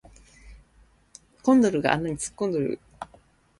コンドルが穴に突っ込んどる